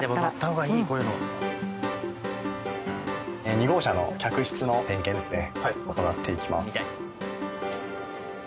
２号車の客室の点検ですね行っていきます。